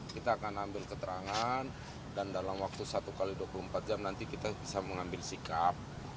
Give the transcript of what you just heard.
kita akan ambil keterangan dan dalam waktu satu x dua puluh empat jam nanti kita bisa mengambil sikap